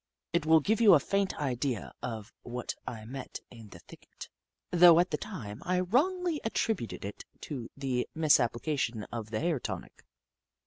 It will give you a faint idea of what I met in the thicket, though at the time I wrongly at tributed it to the misapplication of the hair tonic.